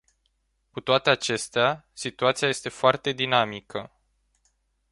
Cu toate acestea, situația este foarte dinamică.